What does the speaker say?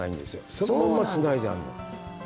そのままつないであるの。